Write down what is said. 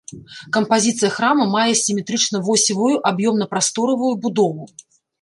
Кампазіцыя храма мае сіметрычна-восевую аб'ёмна-прасторавую будову.